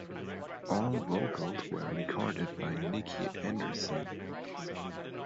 All vocals were recorded by Nicke Andersson.